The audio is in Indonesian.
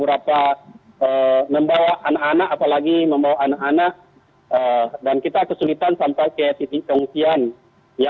apa yang merekam hankap mbak dea